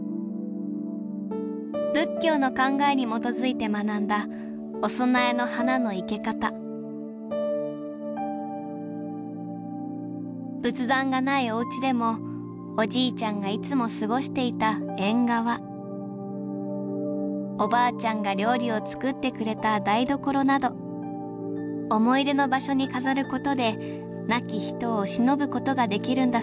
仏教の考えに基づいて学んだお供えの花の生け方仏壇がないおうちでもおじいちゃんがいつも過ごしていた縁側おばあちゃんが料理を作ってくれた台所など思い出の場所に飾ることで亡き人をしのぶことができるんだそうです。